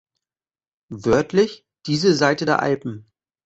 Wörtlich: diese Seite der Alpen.